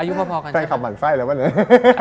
อายุพอกันใช่ไหม์แฟนคับมัดไส้เลยว่ะนึง